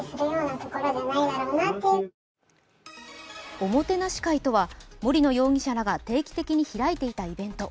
おもてなし会とは、森野容疑者らが定期的に開いていたイベント。